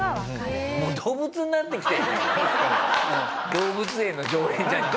動物園の常連じゃなくて。